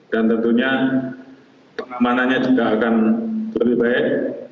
dan tentunya pengamanannya juga akan lebih baik